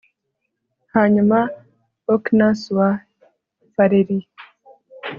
Hanyuma Ocnus wa Falerii